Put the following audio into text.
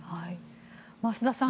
増田さん